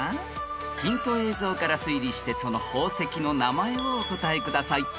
［ヒント映像から推理してその宝石の名前をお答えください］